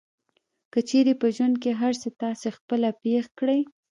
که چېرې په ژوند کې هر څه تاسې خپله پېښ کړئ.